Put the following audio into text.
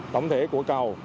tổng thể của cầu